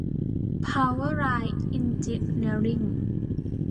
เพาเวอร์ไลน์ เอ็นจิเนียริ่ง